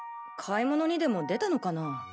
買い物にでも出たのかなぁ？